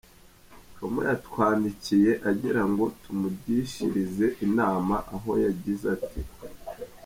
com yatwandikiye agira ngo tumugishirize inama aho yagize ati:.